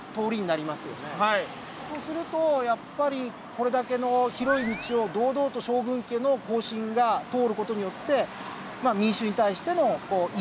そうするとやっぱりこれだけの広い道を堂々と将軍家の行進が通る事によって民衆に対しての威厳を示した。